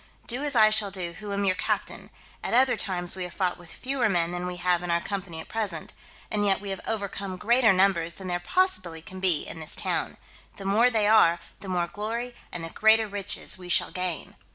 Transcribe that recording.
Do as I shall do who am your captain: at other times we have fought with fewer men than we have in our company at present, and yet we have overcome greater numbers than there possibly can be in this town: the more they are, the more glory and the greater riches we shall gain."